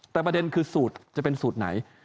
แต่ประเด็นคือสูตรจะเป็นสูตรไหน